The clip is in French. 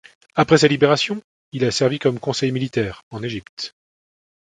Après sa libération, il a servi comme conseiller militaire en Égypte.